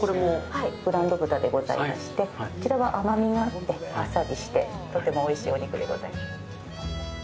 はい、ブランド豚でございまして、こちらは甘みがあって、あっさりして、とてもおいしいお肉でございます。